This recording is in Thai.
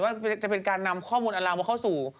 ว่าจะเป็นการนำข้อมูลอัลลามมาเข้าสู่